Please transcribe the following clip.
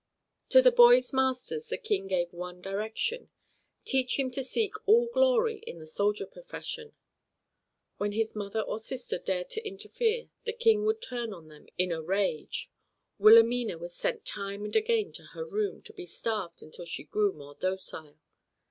To the boy's masters the King gave one direction: "Teach him to seek all glory in the soldier profession." When his mother or sister dared to interfere the King would turn on them in a rage; Wilhelmina was sent time and again to her room, to be starved until she grew more docile.